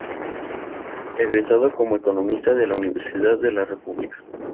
Egresado como economista de la Universidad de la República.